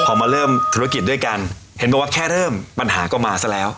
พอมาเริ่มธุรกิจด้วยกันเห็นบอกว่าแค่เริ่มปัญหาก็มาซะแล้ว